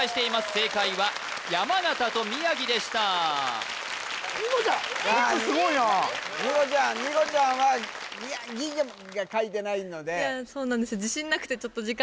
正解は山形と宮城でした虹来ちゃん虹来ちゃん虹来ちゃんはみや「ぎ」が書いてないのでそうなんです